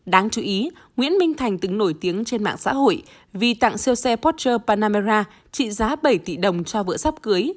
đáng chú ý nguyễn minh thành từng nổi tiếng trên mạng xã hội vì tặng siêu xe portcher panamara trị giá bảy tỷ đồng cho vợ sắp cưới